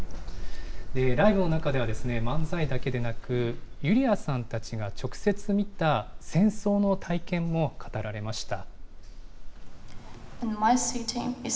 ライブの中では、漫才だけでなく、ユリヤさんたちが直接見た戦争の体験も語られました。